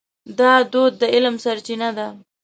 دا دود د علم سرچینه ده.